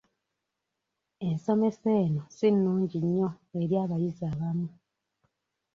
Ensomesa eno si nnungi nnyo eri abayizi abamu.